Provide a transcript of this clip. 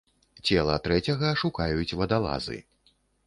Цела трэцяга шукаюць вадалазы.